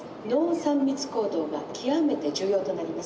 ３密行動が極めて重要となります。